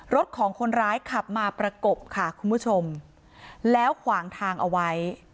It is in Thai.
รถของคนร้ายขับมาประกบค่ะคุณผู้ชมแล้วขวางทางเอาไว้